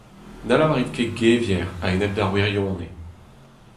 Na lavarit ket gevier a-enep d’ar wirionez.